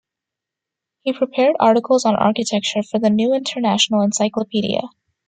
He prepared articles on architecture for the "New International Encyclopedia".